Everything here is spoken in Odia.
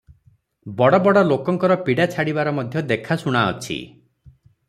ବଡ଼ ବଡ଼ ଲୋକଙ୍କର ପୀଡ଼ା ଛାଡ଼ିବାର ମଧ୍ୟ ଦେଖା ଶୁଣାଅଛି ।